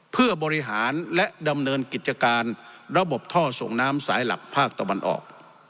เพื่อบริหารและดำเนินกิจการระบบท่อส่งน้ำสายหลักภาคตะวันออก